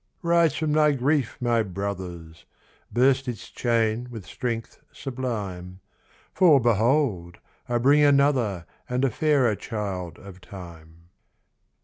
Rise from thy grief, my brothers! Burst its chain with strength sublime, For behold! I bring another, And a fairer child of time.